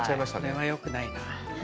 これはよくないな。